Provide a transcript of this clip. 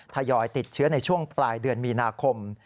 ทยอยติดเชื้อในช่วงปลายเดือนมีนาคม